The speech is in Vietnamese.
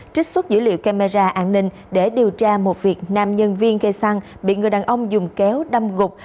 trích xuất dữ liệu camera an ninh để điều tra một việc nam nhân viên cây xăng bị người đàn ông dùng kéo đâm gục